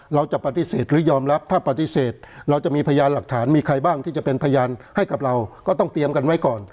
เราจะปฏิเสธหรือยอมรับถ้าปฏิเสธเราจะมีพยานหลักฐานมีใครบ้างที่จะเป็นพยานให้กับเราก็ต้องเตรียมกันไว้ก่อน